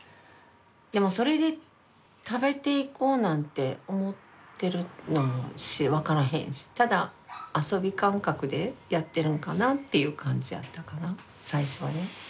でもそれで食べていこうなんて思ってるのも分からへんしただ遊び感覚でやってるんかなっていう感じやったかな最初はね。